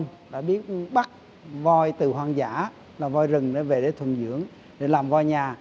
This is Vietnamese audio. từ xa xưa đồng bào mưa nông đã bắt voi từ hoang dã về thuần dưỡng để làm voi nhà